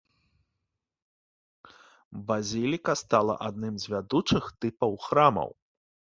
Базіліка стала адным з вядучых тыпаў храмаў.